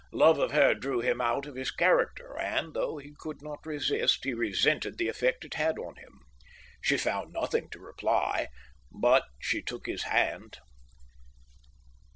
Love of her drew him out of his character, and, though he could not resist, he resented the effect it had on him. She found nothing to reply, but she took his hand.